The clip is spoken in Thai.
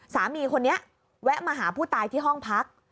สามีคนนี้แวะมาหาผู้ตายที่ห้องพัก